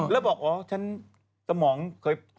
แล้วบอกอ๋อฉันสมองเคย